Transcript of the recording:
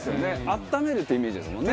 温めるっていうイメージですもんね。